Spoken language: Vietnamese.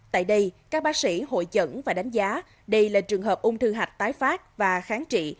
tại đây các bác sĩ hội chẩn và đánh giá đây là trường hợp ung thư hạch tái phát và kháng trị